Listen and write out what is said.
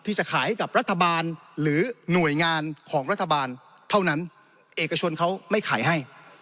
ที่จะขายให้กับรัฐบาลหรือหน่วยงานของรัฐบาลเท่านั้นเอกชนเขาไม่ขายให้